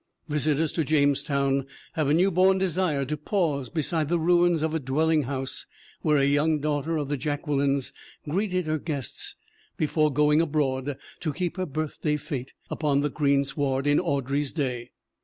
Visitors to Jamestown have a newborn desire to pause beside the ruins of a dwelling house where a young daughter of the Jacquelines greeted her guests before going abroad to keep her birthday fete upon the greensward in Audrey's day.